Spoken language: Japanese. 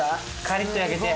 カリッと焼けて。